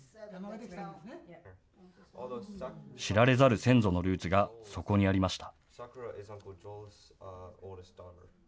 知られざる先祖のルーツがそこにありました。